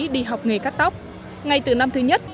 đi học nghề cắt tóc ngay từ năm thứ nhất